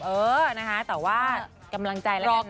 เออนะคะแต่ว่ากำลังใจแล้วกันนะ